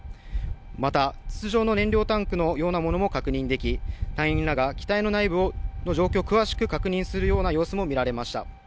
また筒状の燃料タンクのようなものも確認でき、隊員らが機体の内部の状況を詳しく確認するような様子も見られました。